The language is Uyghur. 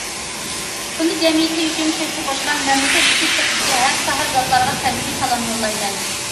فوند جەمئىيىتى ئۈچۈن تۆھپە قوشقان مەملىكەت ئىچى- سىرتىدىكى ھەر ساھە زاتلارغا سەمىمىي سالام يوللايمەن.